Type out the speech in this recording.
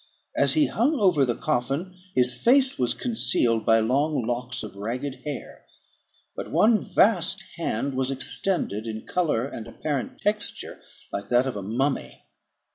As he hung over the coffin, his face was concealed by long locks of ragged hair; but one vast hand was extended, in colour and apparent texture like that of a mummy.